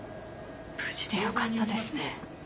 無事でよかったですね。